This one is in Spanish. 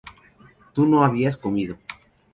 tú no habías comido